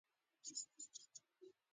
یو ستر بدلون ته یې لار هواره کړه.